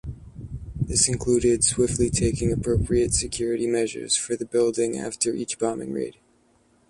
This included swiftly taking appropriate security measures for the building after each bombing raid.